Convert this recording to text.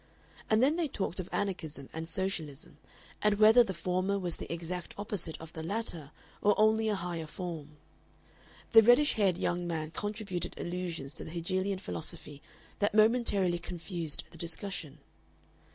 And then they talked of Anarchism and Socialism, and whether the former was the exact opposite of the latter or only a higher form. The reddish haired young man contributed allusions to the Hegelian philosophy that momentarily confused the discussion.